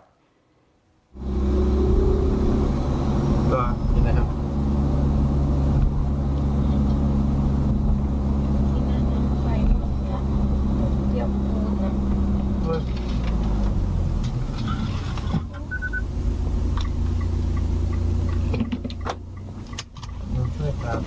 ดูช่วยภาพ